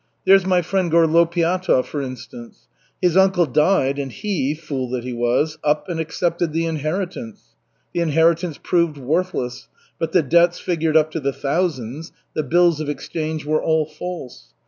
There's my friend Gorlopiatov, for instance. His uncle died and he, fool that he was, up and accepted the inheritance. The inheritance proved worthless, but the debts figured up to the thousands, the bills of exchange were all false.